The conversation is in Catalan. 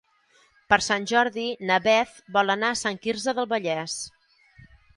Per Sant Jordi na Beth vol anar a Sant Quirze del Vallès.